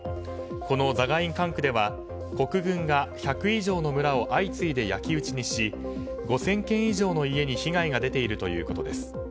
このザガイン管区では国軍が１００以上の村を相次いで焼き討ちにし５０００軒以上の家に被害が出ているということです。